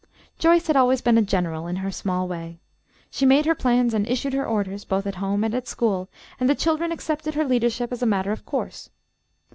Joyce had always been a general in her small way. She made her plans and issued her orders both at home and at school, and the children accepted her leadership as a matter of course.